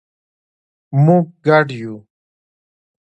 مونږ ګډ یو